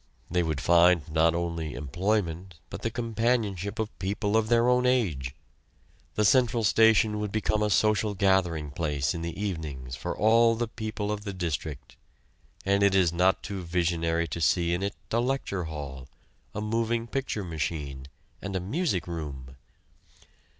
They would find not only employment, but the companionship of people of their own age. The central station would become a social gathering place in the evenings for all the people of the district, and it is not too visionary to see in it a lecture hall, a moving picture machine, and a music room.